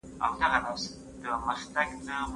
خلک په خپلو کورونو کې د ناڅرګند راتلونکي لپاره اندیښمن شول.